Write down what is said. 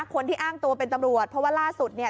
คนที่อ้างตัวเป็นตำรวจเพราะว่าล่าสุดเนี่ย